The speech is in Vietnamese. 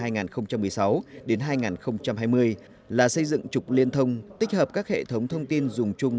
giai đoạn hai nghìn một mươi sáu đến hai nghìn hai mươi là xây dựng trục liên thông tích hợp các hệ thống thông tin dùng chung